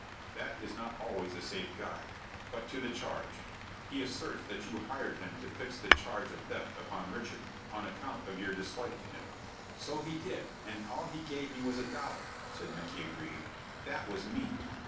"That is not always a safe guide. But to the charge. He asserts that you hired him to fix the charge of theft upon Richard, on account of your dislike to him." "So he did, and all he give me was a dollar," said Micky, aggrieved. "That was mean."